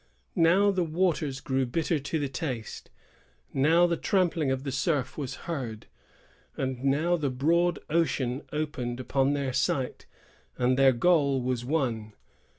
Now the waters grew bitter to the taste; now the trampling of the surf was heard; and now the broad ocean opened upon their sight, and their goal was won.